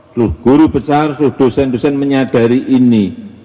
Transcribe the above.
seluruh guru besar seluruh dosen dosen menyadari ini